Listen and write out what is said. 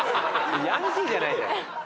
ヤンキーじゃないから。